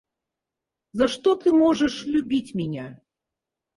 За что ты можешь любить меня?